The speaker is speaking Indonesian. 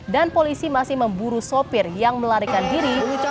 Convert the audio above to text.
dan polisi masih memburu sopir yang melarikan diri usai kecelakaan terjadi